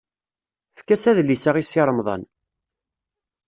Efk-as adlis-a i Si Remḍan.